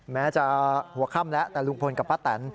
แม้จะหัวค่ำแล้วแต่ลุงพลกับป้าแตน